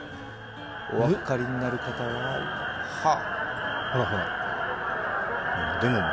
お分かりになる方はほらほら。